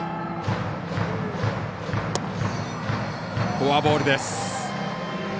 フォアボールです。